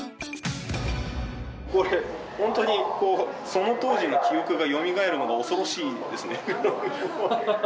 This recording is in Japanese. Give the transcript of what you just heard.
これ本当にこうその当時の記憶がよみがえるのが恐ろしいですね。